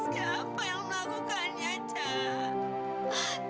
siapa yang melakukannya cak